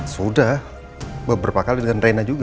sudah beberapa kali dengan reina juga